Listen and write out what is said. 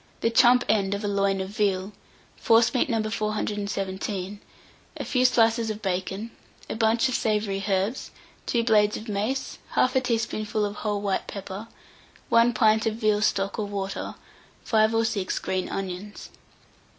The chump end of a loin of veal, forcemeat No. 417, a few slices of bacon, a bunch of savoury herbs, 2 blades of mace, 1/2 teaspoonful of whole white pepper, 1 pint of veal stock or water, 5 or 6 green onions.